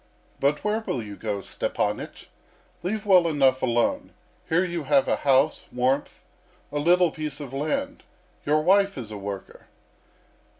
"But where will you go, Stepanych? Leave well enough alone. Here you have a house, warmth, a little piece of land. Your wife is a worker."